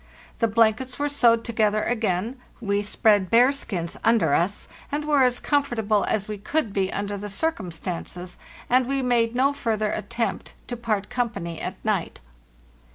The blankets were sewed to gether again, we spread bearskins under us, and were as comfortable as we could be under the circumstances ; and we made no further attempt to part company at night.